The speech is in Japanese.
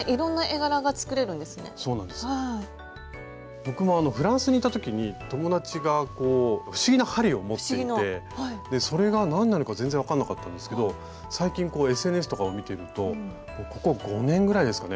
僕もフランスにいた時に友達が不思議な針を持っていてそれが何なのか全然分かんなかったんですけど最近ＳＮＳとかを見てるとここ５年ぐらいですかね